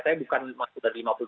saya bukan masuk dari lima puluh tujuh